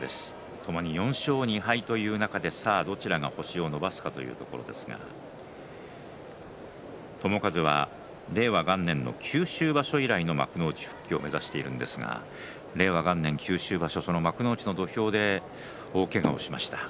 ともに４勝２敗という中でどちらが星を伸ばすかというところですが友風は令和元年の九州場所以来の幕内復帰を目指しているんですが令和元年、九州場所その幕内の土俵でそうですね。